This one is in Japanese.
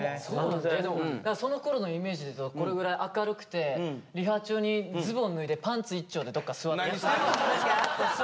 そのころのイメージでいうとこれぐらい明るくてリハ中にズボン脱いでパンツ一丁でどっか座ってるんですよ。